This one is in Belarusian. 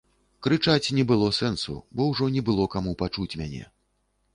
Крычаць не было сэнсу, бо ўжо не было каму пачуць мяне.